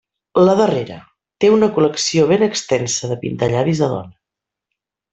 La darrera: té una col·lecció ben extensa de pintallavis de dona.